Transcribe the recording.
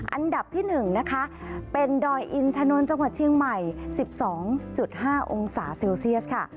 อันดับที่๑นะคะเป็นดอยอินถนนจังหวัดเชียงใหม่๑๒๕องศาเซลเซียสค่ะ